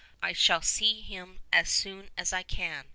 I shall see him as soon as I can.